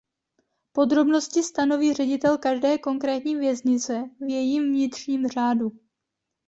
Podrobnosti stanoví ředitel každé konkrétní věznice v jejím vnitřním řádu.